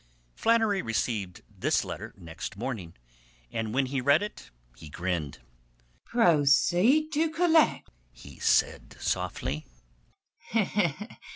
Flannery received this letter next morning, and when he read it he grinned. "Proceed to collect," he said softly.